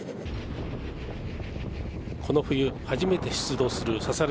この冬初めて出動するササラ